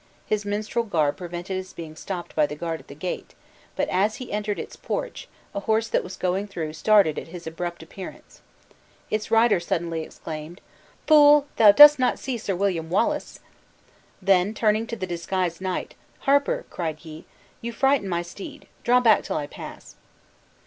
His mistrel garb prevented his being stopped by the guard at the gate; but as he entered its porch, a horse that was going through started at his abrupt appearance. Its rider suddenly exclaimed, "Fool, thou dost not see Sir William Wallace!" Then turning to the disguised knight, "Harper," cried he, "you frighten my steed; draw back till I pass."